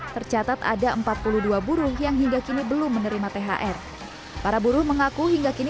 tercatat ada empat puluh dua buruh yang hingga kini belum menerima thr para buruh mengaku hingga kini